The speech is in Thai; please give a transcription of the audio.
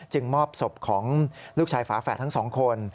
มอบศพของลูกชายฝาแฝดทั้งสองคน